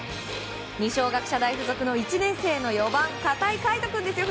二松学舎大附属の１年生の４番、片井海斗君ですよ。